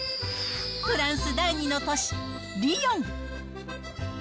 フランス第２の都市、リヨン。